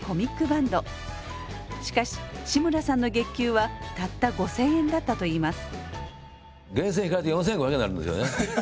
しかし志村さんの月給はたった５，０００円だったといいます。